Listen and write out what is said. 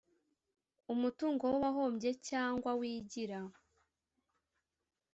umutungo w uwahombye cyangwa wigira